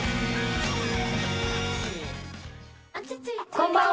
こんばんは。